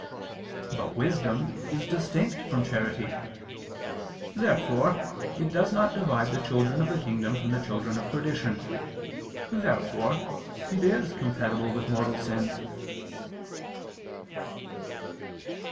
But wisdom is distinct from charity. Therefore it does not divide the children of the kingdom from the children of perdition. Therefore it is compatible with mortal sin.